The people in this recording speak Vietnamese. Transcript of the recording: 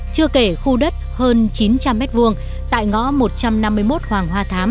chưa kể khu đất hơn chín trăm linh m hai tại ngõ một trăm năm mươi một hoàng hoa thám